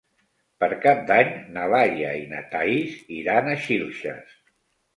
Per Cap d'Any na Laia i na Thaís iran a Xilxes.